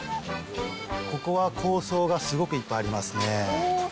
ここは香草がすごくいっぱいありますね。